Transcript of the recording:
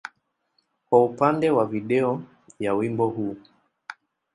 kwa upande wa video ya wimbo huu.